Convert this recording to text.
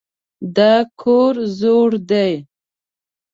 دا کور زوړ دی.